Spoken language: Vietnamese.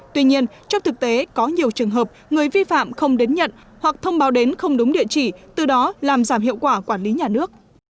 tuy nhiên trong thực tế có nhiều trường hợp người vi phạm không đến nhận hoặc thông báo đến không đúng địa chỉ từ đó làm giảm hiệu quả quản lý nhà nước